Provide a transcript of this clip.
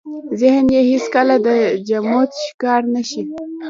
ذهن يې هېڅ کله د جمود ښکار نه شي.